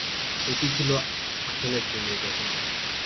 এটি ছিল আসলে একটি নির্যাতন কেন্দ্র।